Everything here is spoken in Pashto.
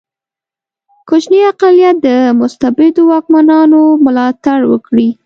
کوچنی اقلیت د مستبدو واکمنانو ملاتړ وکړي.